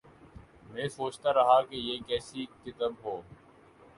میں سوچتارہا کہ یہ کیسی کتب ہوں۔